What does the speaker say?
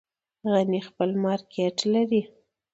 غني خیل مارکیټ لري؟